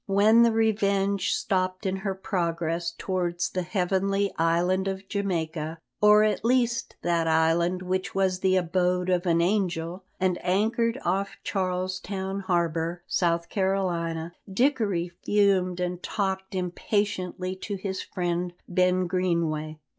When the Revenge stopped in her progress towards the heavenly Island of Jamaica, or at least that island which was the abode of an angel, and anchored off Charles Town harbour, South Carolina, Dickory fumed and talked impatiently to his friend Ben Greenway.